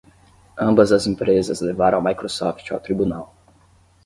Ambas as empresas levaram a Microsoft ao tribunal.